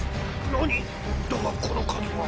何⁉だがこの数は。